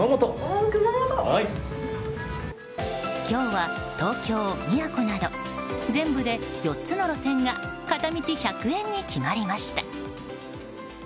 今日は東京宮古など全部で４つの路線が片道１００円に決まりました。